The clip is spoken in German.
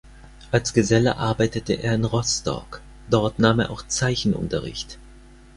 Als Geselle arbeitete er in Rostock, dort nahm er auch Zeichenunterricht.